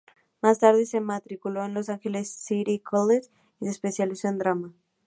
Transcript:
Más tarde se matriculó en Los Angeles City College y se especializó en drama.